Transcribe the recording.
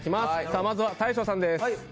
まずは大昇さんです。